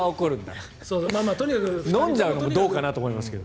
飲んじゃうのはどうかなと思いますけど。